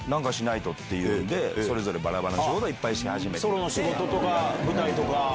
ソロの仕事とか舞台とか。